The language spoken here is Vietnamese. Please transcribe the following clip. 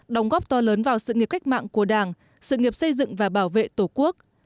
đóng góp to lớn vào sự nghiệp cách mạng của đảng sự nghiệp xây dựng và bảo vệ tổ quốc